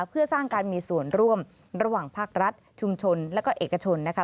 เพื่อสร้างการมีส่วนร่วมระหว่างภาครัฐชุมชนและก็เอกชนนะคะ